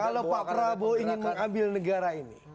kalau pak prabowo ingin mengambil negara ini